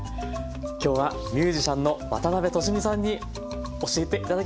今日はミュージシャンの渡辺俊美さんに教えて頂きました。